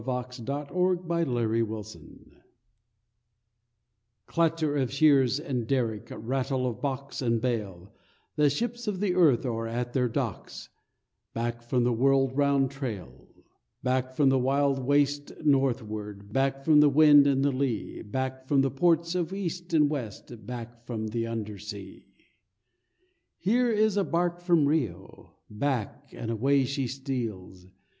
THE BALLAD OF SHIPS IN HARBOR _Clatter of shears and derrick, Rattle of box and bale, The ships of the earth are at their docks, Back from the world round trail— Back from the wild waste northward, Back from the wind and the lea, Back from the ports of East and West, Back from the under sea._ Here is a bark from Rio, Back—and away she steals!